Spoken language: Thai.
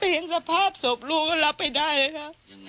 แต่เห็นสภาพสวบลูกก็รับไปได้เลยค่ะ